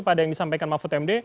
pada yang disampaikan mahfud md